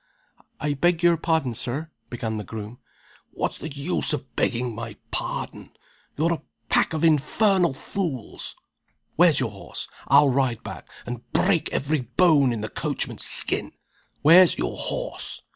"I beg your pardon, Sir " began the groom. "What's the use of begging my pardon? You're a pack of infernal fools! Where's your horse? I'll ride back, and break every bone in the coachman's skin! Where's your horse?"